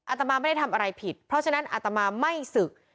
ตมาไม่ได้ทำอะไรผิดเพราะฉะนั้นอาตมาไม่ศึก